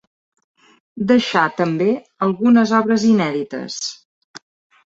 Deixà també algunes obres inèdites.